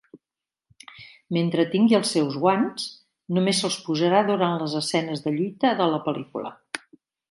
Mentre tingui els seus guants, només se'ls posarà durant les escenes de lluita de la pel·lícula.